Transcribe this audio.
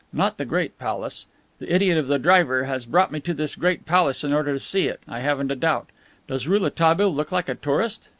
Not the great palace! The idiot of a driver has brought me to this great palace in order to see it, I haven't a doubt. Does Rouletabille look like a tourist?